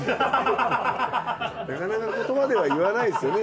なかなか言葉では言わないっすよね。